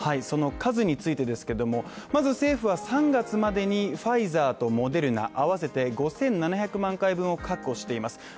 その数についてですけども、まず政府は３月までにファイザーとモデルナ合わせて５７００万回分を確保しています。